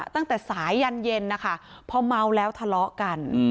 ตั้งแต่สายยันเย็นนะคะพอเมาแล้วทะเลาะกัน